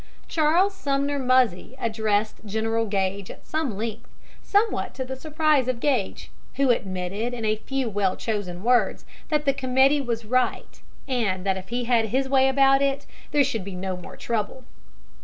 Charles Sumner Muzzy addressed General Gage at some length, somewhat to the surprise of Gage, who admitted in a few well chosen words that the committee was right, and that if he had his way about it there should be no more trouble.